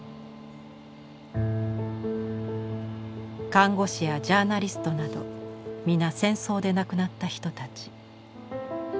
看護師やジャーナリストなど皆戦争で亡くなった人たち。